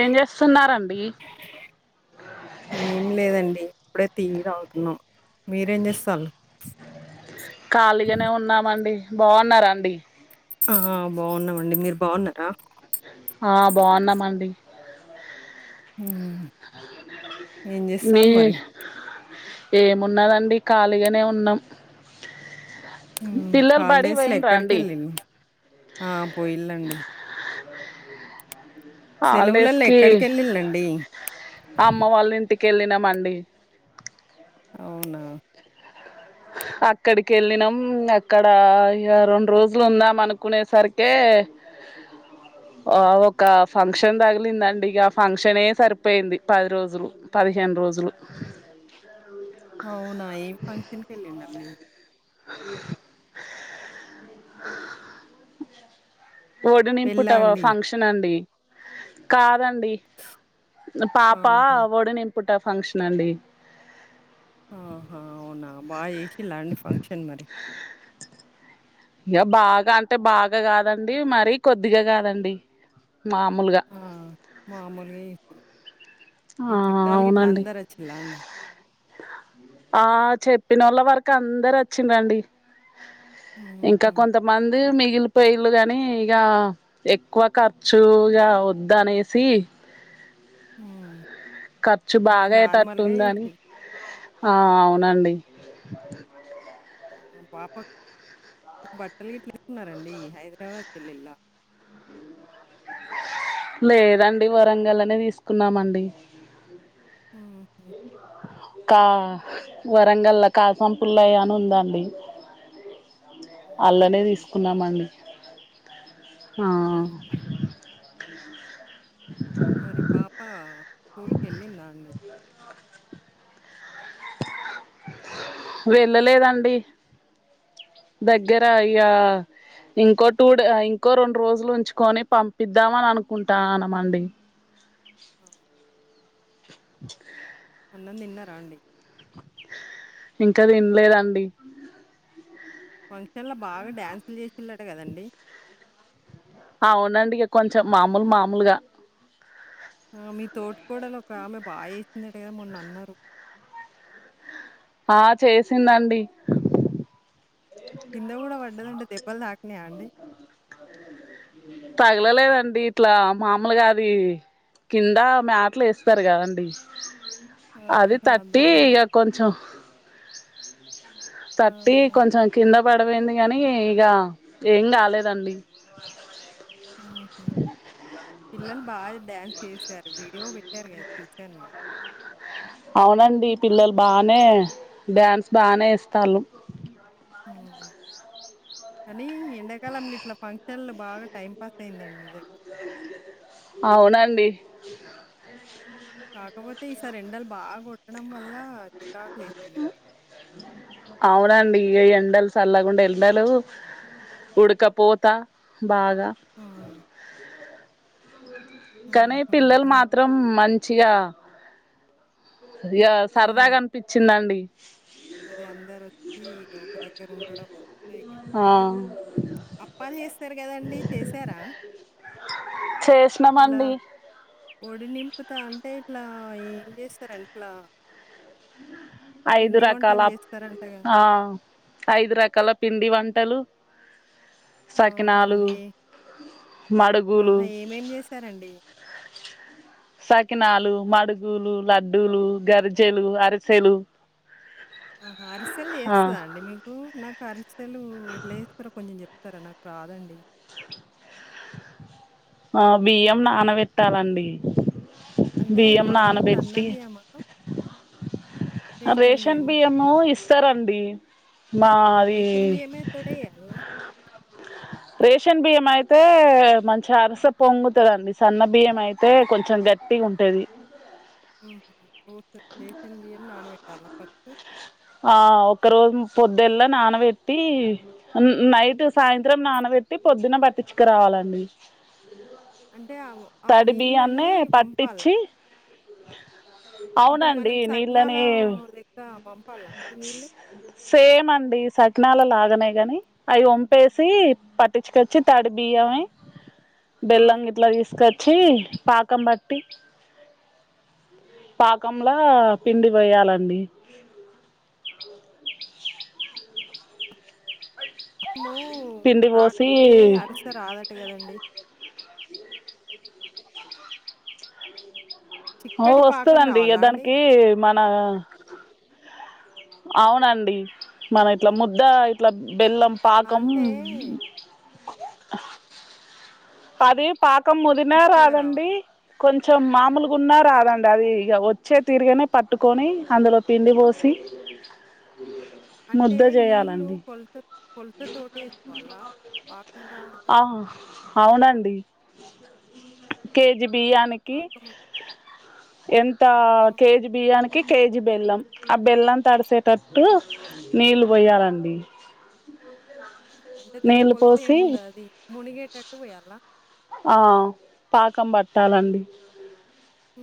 ఏం చేస్తున్నారండి. ఏం లేదండి ఇప్పుడే టీయి తాగుతున్నాం మీరేం చేస్తాళ్ళు. ఖాళీగానే ఉన్నామండి బావున్నారాండి. ఆ బావున్నామండి మీరు బావున్నారా. ఆ బావున్నామ్ అండి. హ్మ్ ఏం మీ. చేస్తాళ్ళు మరి? ఏమున్నాదండి ఖాళీగానే ఉన్నాం. ఉమ్ పిల్లలు బడికి హాలిడేస్ లో పోయిండ్రా ఎక్కడికి అండి వెళ్ళిర్రు. ఆ పోయిలండి. సెలవులల్లా హాలిడేస్కి ఎక్కడికి ఎళ్ళిళండి. అమ్మ వాళ్ళ ఇంటికెళ్ళినం అండి. అవునా. అక్కడికెళ్ళినాం అక్కడ ఇగ రెండు రోజులు ఉందాం అనుకునేసరికె. ఆ ఒక్కా ఫంక్షన్ తగిలిందండి ఇగ ఆ ఫంక్షనే సరిపోయింది పది రోజులు. పదిహేను రోజులు. అవునా ఎం ఫంక్షన్ కెళ్ళిండండి. పెళ్ళా ఒడినింపుటవా అండి? ఫంక్షన్ అండి కాదండి. న పాప ఆహా! వోడునింపుట ఫంక్షన్ అండి ఆహా అవునా బాగ చేసి లాండి ఫంక్షన్ మరి ఇక బాగా అంటే బాగా కాదండి మరీ కొద్దిగా కాదండి మామూలుగా ఆ మామూలుగా ఇ మీ ఆ చుట్టాల్ గిట్లా అవునండి అందరు వచ్చిలా అండి ఆ చెప్పినోళ్ళ వరక అందరు వచ్చిన్రండి ఇంకా హుహు. కొంతమంది మిగిలిపోయిల్ళు గాని ఇగ ఎక్కువ ఖర్చు ఇగా వద్దు అనేసి మ్ ఖర్చు బాగా అయ్యేటట్టుందని చేషిళ్ళు. ఆ అవునండి మ పాపక్ బట్టలు గిట్ల [unintelligible] న్నారండి హైదరాబాద్ కెల్లి ఎల్లా లేదండి వరంగల్లనే తీసుకున్నామండి మ్ కా వరంగల్లా కాసంపుల్లయ అని ఉందాండి ఓహో అల్లనే అక్కడ తీసుకున్నారు తీసుకున్నామండి ఉమ్ హు మరి పాప స్కూల్ కెళ్ళిందా అండి వెళ్ళలేదండి దగ్గర ఇక ఇంకో టూ డే అ ఇంకో రెండు రోజులు ఉంచుకొని పంపిద్దామని అనుకుంటానమండి ఆ అన్నమ్ తిన్నారా అండి ఇంకా తిన్లేదండి ఫంక్షన్ ల బాగా డ్యాన్సులు చేసిలట కదండి అవునండి ఇగ కొంచెం మామూలు మామూలుగా ఆ మీ తోటికోడలు ఒక ఆమె బాచేసిందట కదా మొన్న అన్నారు ఆ చేసిందండి కింద గూడా పడ్డదంట దెబ్బలు తాకినాయా అండి తగలలేదండి ఇట్లా మామూలుగా అది కింద మ్యాట్లు ఎస్తారు గదండి అది ఆహా! తట్టి దానివ ఇగ కొంచం తట్టి ఆహా! కొంచెం కింద పడివోయింది గానీ ఇగ ఏం గాలేదండి హు్ హు్ పిల్లలు బాగా డ్యాన్స్ జేశారు వీడియో పెట్టారు కదా చూశాను నేను అవునండి పిల్లల్ బానే డ్యాన్స్ బానే ఎస్తాలు హ్మ్. కానీ ఎండాకాలంలో ఇట్లా ఫంక్షన్లు బాగా టైం పాస్ అయిందండి నిజంగ అవునండి కాకపోతే ఈసారి రెండలు బాగా కొట్టడం వల్ల చికాకు లేసింది నాక్ అవునండి ఇగ ఈ ఎండల్ సళ్ళగుండా ఎండలు ఉడకపోత బాగా హ్మ్. హ్మ్. కానీ హ్మ్. పిల్లల్ హ్మ్. మాత్రం మంచిగా దిగ సరదాగా అనిపిచ్చిందండి ఒక అందరు వచ్చి ఒక దగ్గర ఉండడం ఇగ ఆ అప్పాల్ జేస్తర్ గదండి జేసారా చేసినంమండి ఒడి నింపుత అంటే ఇట్లా ఏం జేస్తారండి ఇట్లా ఐదు పిండి రకాల వంటలు జేస్తారంటగా? ఆహ్ ఐదు రకాల పిండి వంటలు ఆహా! సకినాలు ఏ మడుగులు ఆహా! ఏమేం జెస్ సరండి సకినాలు మడుగులు లడ్డూలు గరిజెలు అరిసెలు ఆహా అరిసెల్ ఆ చేయోస్తదా అండి మీ కు నాకు అరిషాలూ ఎలా జేస్తారొ కొంచెం చెప్తారా నాకు రాదండి ఆహ్ బియ్యం నానబెట్టాలండి అంటే బియ్యం మామూలు సన్న నానబెట్టి బియ్యమా? రేషన్ బియ్యము ఇస్తరండి మావి తొడేయల్నా రేషన్ బియ్యం అయితే మంచి అరిసె పొంగుతదండి సన్న బియ్యం అయితే కొంచెం గట్ ట్టి ఉంటది ఉమ్ రేషన్ బియ్యం నానబెట్టాల ఫస్ట్ ఆ ఒక రోజు పొద్దెల్ల నానబెట్టి నైట్ సాయంత్రం నానబెట్టి పొద్దున బట్టించ్చుక రావాలండి అంటే అగొ తడి బియ్యాన్ని పట్టిచ్చి ఇప్పుడు మనం సగనాల లెక్క పంపాలా అండి నీళ్ళు సేమ్ అండి సకినాల లాగనే గని అవి వొంపేసి పట్టించుకొచ్చి తడి బియ్యమె ఆ! బెల్లం ఇట్లా తీస్కొచ్చి పాకం బట్టి పాకంలా పిండి బోయాలండి పాకమో పిండి పోసి రాకపోతే అరిస రాదంట కదండి ఔ చిక్కటి పాకం వస్తదండి ఇగ రావాలా అండి? దానికి మన అవునండి మన ఇట్ల ముద్ద ఇట్ల బెల్లం పాకం అంటే పది పాకం ముదిరినా చిక్కగా రాదండి రావాలా? కొంచెం మామూల్గున్నా రాదండి అది ఇగ వచ్చే తిరుగానే పట్టుకొని అందులో పిండి పోసి అంటే ముద్ద నీళ్ళు చేయాలండి కొల్త కొల్తతోటి ఏస్కోవాలా పాకం రావడా ఆహ్ అవునండి కేజీ బియ్యానికి పాకం వచ్చి- ఎంతా ఆ! కేజీ బియ్యానికి కి కేజీ బెల్లం ఆ బెల్లం తడిసేటట్టు నీళ్ళు పోయాలండి అ-అంటే నీళ్ళు దానికొల్తే పోసి ఏముండది మునిగేటట్టు పోయాలా ఆ పాకం బట్టాలండి ఆహ్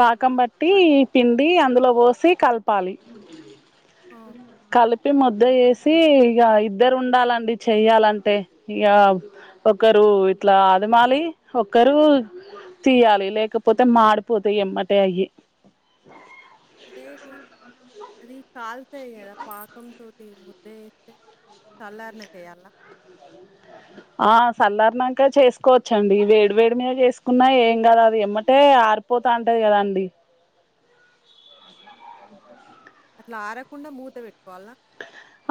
పాకం బట్టి పిండి అందులో పోసి కల్పాలి ఆ! కల్ ప్పి ముద్ద జేసి ఇక ఇద్దరు ఉండాలండి చెయ్యాలంటే ఇక ఒకరు ఇట్లా అదమాలి ఒకరు తీయాలి లేకపోతే మాడి పోతే ఎమ్మటే అయ్యి అంటే ఇట్లా అది కాల్తయ్ కదా పాకం తో ముద్ద చేస్తే సల్లారినాక చెయ్యల్న ఆ సల్లారనాక చేస్కోవచ్చండి వేడివేడి మీద చేస్కున్నా ఏం కదా అది ఎమ్మటే ఆరు పోతాంటది కద అండి అట్లా ఆరకుండా మూత పెట్టుకోవాల్నా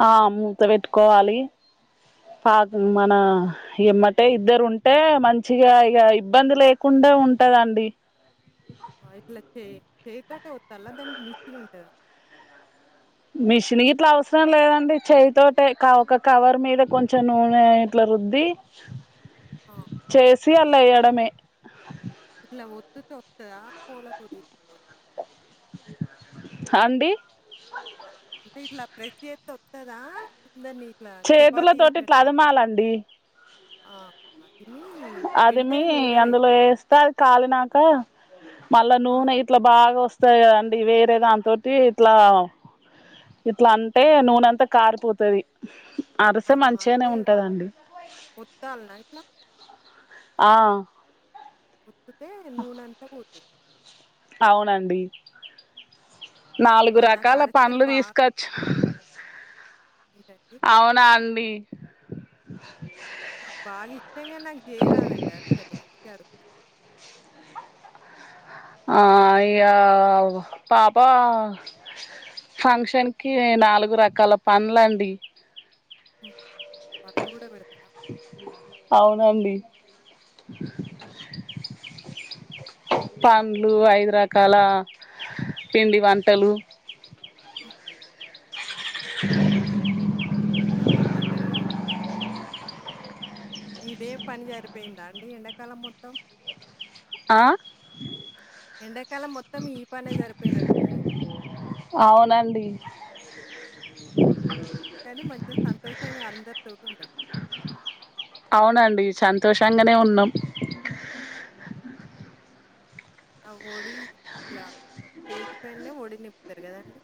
ఆ మూత పెట్టుకోవాలి పాపు మన ఎమ్మటే ఇద్దరుంటే మంచిగా ఇగ ఇబ్బంది లేకుండా ఉంటదండి ఆ ఇట్లా చే చేయ్తోటే ఓత్తలా దానికి మిషినుంటదా మిషన్ గిట్లా అవసరం లేదండి చేయ్తోటే క ఒక కవర్ మీద కొంచెం నూనె ఇట్లా రుద్ది ఆ చేసి అళ్లేయ్యడమే ఇట్లా ఒత్తుతే ఒత్తుదా కోలతొటి అండి అంటే ఇట్లా ప్రెస్ చేస్తె ఓస్తదా ఉందని ఇట్లా చపాతి చేతులతోటి ఇట్లా చేసినట్టుగా అదమాలండి ఆ ఆదిమీ అదిమీ అందులో ఏస్తే కాలినాక మళ్ళా ఆ! నూనె ఇట్ల బాగ ఓస్తే సరే అండి వేరే దాన్తోటి ఇట్లా ఇట్లా అంటే నూనె అంతా కారిపోతది అరిసె ఆహా మంచిగానే అంటే ఉంటదండి ఓత్తల్నా ఇట్లా ఆ ఓత్తుతే నూనంతా పో అవ్నండి నాలుగు ఆ! నాకు రకాల అరిసెలు పనులు బాగా తీస్కోకొచ్చి ఎంటండి అవునా అండి నాకు బాగిష్టంగని నాకు చేయరాదండి అరిసెలు అందుకే అడుగుతున్నా ఆ ఇగ పాపా ఫంక్షన్కి నాలుగు రకాల పన్లండి హ్మ్. వాళ్ళు గూడా పెడతారా? ఔనండి పండ్లు ఐద్రకాల పిండి వంటలు హ్ సందడి సందడే ఇదే పనిసరిపోయిందా అండి ఎండాకాలం మొత్తం ఆ ఎండాకాలం మొత్తం ఈ పనే సరిపోయ్నట్టున్నది ఇగ అవునండి కానీ మంచి సంతోషంగా అందరితోటి ఉండొచ్చు అవునండి సంతోషంగనే ఉన్నాం హ్మ్. ఆ వడి ఇలా స్టేజ్ పైనే వడి నింపుతరు కదండి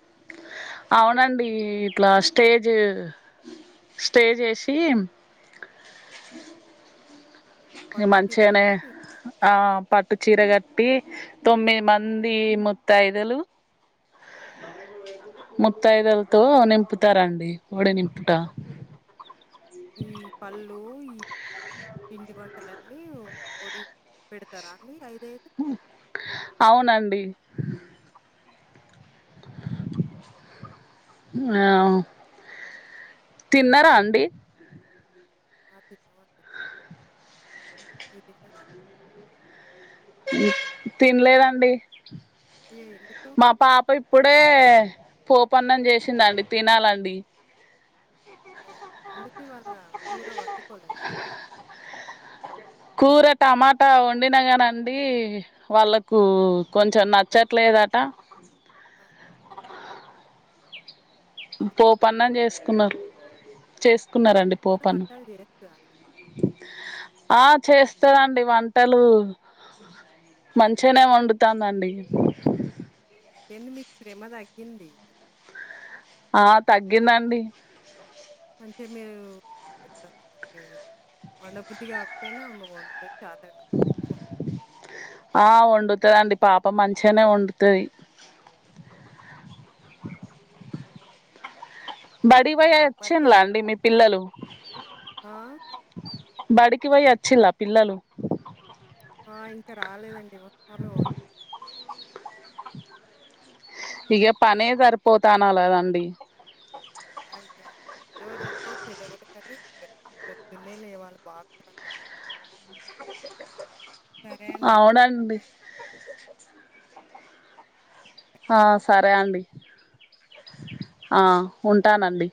అవునండి ఇట్లా స్టేజ్ స్టేజ్వేసి ఈ పట్టు చీర మంచిగనే కట్టి ఆ పట్టు చీర గట్టి తొమ్మిది మంది ముత్తైదులు ముత్తయిదులతో నింపుతారండి ఒడి నింపుట ఈ పళ్ళు ఈ పిండి వంటల అన్నీ పొడి పెడతారా అన్ని ఐదఐదు అవునండి ఆ తిన్నర అండి ఆ తిన్నం అండి మీరు తిన్నరా తిన్లేదండి అయ్యో ఎందుకు మా పాప ఇప్పుడే పోపన్నం చేసిందండి తినాలండి అవునా ఎందుకు ఇవాళ కూర వండుకోలేదా కూర టమాటా వండిన కానండి వాళ్ళకు కొంచెం నచ్చట్లేదట అ అందుకే పోపన్నం కోపం. చేసుకున్నారు చెస్ పాప కూడా వంటలు చేత్తదా ఆ చేస్తదండి వంటలు మంచిగనే వండుతాందండి ఎంది మీకు శ్రమ తగ్గింది ఆ తగ్గిందండి మంచిగా మీరు వండబుద్ది కాకపోయినా ఆమె వండుతది చాత కాకపోయినా వండు ఆ వండుతది అండి పాప మంచిగనే వండుతది బడివోయి వండి వచ్చింలా మంచిగానే అండి మీ పిల్లలు ఆ బడికి వోయి వచ్చిల్ల పిల్లలు ఆ ఇంకా రాలేదండి వస్తలు గావో ఇగ పనే సరిపోతానలదండి అయ్యా రోజు అంటే సెలవులు కానీ పొద్దున్న లేవాలి బాగా సరే అండి. అవునండి ఆ సరే అండి ఆ ఉంటానండి